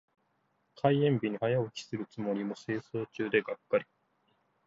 開園日に早起きするも清掃中でがっかり。